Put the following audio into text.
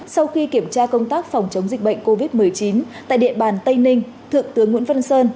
sau khi kiểm tra công tác phòng chống dịch bệnh covid một mươi chín tại địa bàn tây ninh thượng tướng nguyễn văn sơn